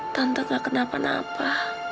tante gak kenapa napa